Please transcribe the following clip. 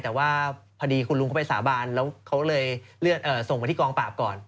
แต่ว่าพอดีคุณลุงเขาไปสาบานแล้วเขาเลยเลือกส่งไปที่กองปราบก่อน